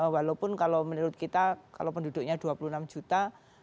walaupun kalau menurut kita kalau penduduknya dua puluh enam juta